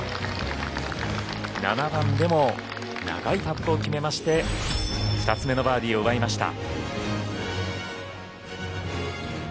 ７番でも長いパットを決めまして２つ目のバーディーを奪いました。